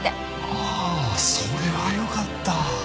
ああそれはよかった！